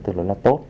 từ lúc là tốt